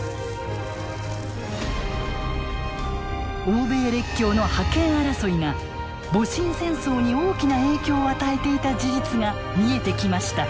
欧米列強の覇権争いが戊辰戦争に大きな影響を与えていた事実が見えてきました。